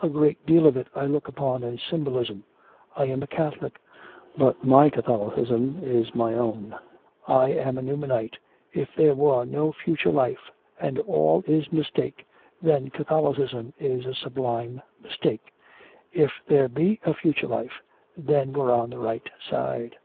A great deal of it I look upon as symbolism. I am a Catholic, but my Catholicism is my own: I am a Newmanite. If there be no future life and all is mistake, then Catholicism is a sublime mistake; if there be a future life, then we're on the right side.'